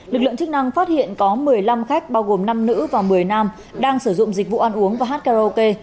lực lượng chức năng phát hiện có một mươi năm khách bao gồm năm nữ và một mươi nam đang sử dụng dịch vụ ăn uống và hát karaoke